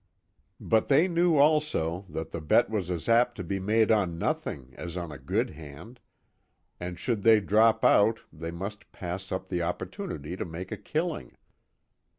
But they knew also that the bet was as apt to be made on nothing as on a good hand, and should they drop out they must pass up the opportunity to make a killing.